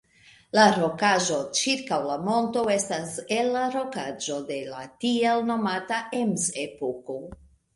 La rokaĵo ĉirkaŭ la monto estas el la rokaĵo de la tiel nomata "Ems-epoko".